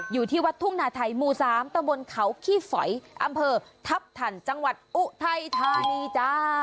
อยู่ที่วัดทุ่งนาไทยหมู่๓ตะบนเขาขี้ฝอยอำเภอทัพทันจังหวัดอุทัยธานีจ้า